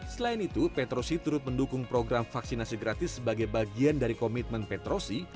selain itu petrosi turut mendukung program vaksinasi gratis sebagai bagian dari komitmen petrosi